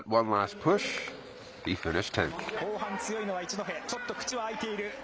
後半強いのは一戸、ちょっと口は開いている。